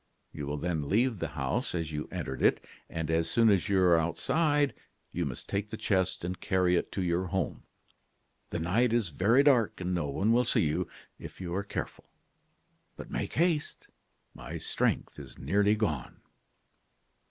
You will then leave the house as you entered it, and as soon as you are outside, you must take the chest and carry it to your home. The night is very dark, and no one will see you, if you are careful. But make haste; my strength is nearly gone.